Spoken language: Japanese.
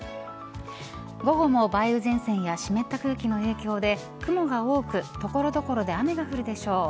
午後も梅雨前線や湿った空気の影響で雲が多く所々で雨が降るでしょう。